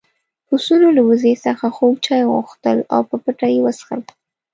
پسونو له وزې څخه خوږ چای وغوښتل او په پټه يې وڅښل.